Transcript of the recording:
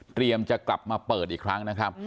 จะกลับมาเปิดอีกครั้งนะครับ